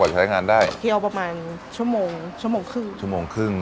ใช้งานได้เที่ยวประมาณชั่วโมงชั่วโมงครึ่งชั่วโมงครึ่ง